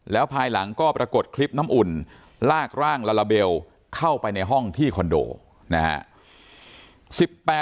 แล้วภายหลังก็ปรากฏคลิปน้ำอุ่นลากร่างลาลาเบลเข้าไปในห้องที่คอนโดนะฮะ